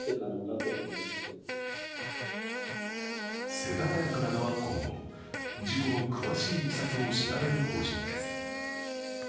世田谷区などは今後、事故の詳しいいきさつを調べる方針です。